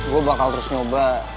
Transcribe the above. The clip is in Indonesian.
gue bakal terus nyoba